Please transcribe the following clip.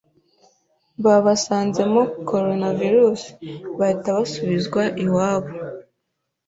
babasanzemo coronavirus, bahita basubizwa iwabo.